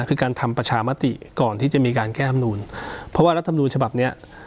คือการทำประชามติก่อนที่จะมีการแก้ธรรมนูนเพราะว่ารัฐมนูญฉบับเนี้ย